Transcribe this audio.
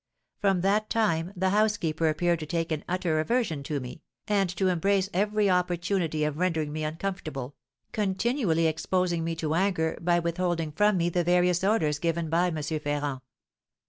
From that time the housekeeper appeared to take an utter aversion to me, and to embrace every opportunity of rendering me uncomfortable, continually exposing me to anger by withholding from me the various orders given by M. Ferrand.